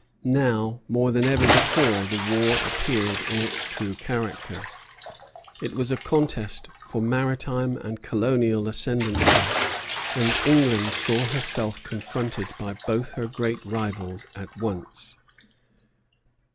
Now, more than ever before, the war appeared in its true character. It was a contest for maritime and colonial ascendency; and England saw herself confronted by both her great rivals at once.